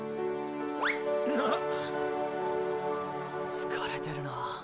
疲れてるな。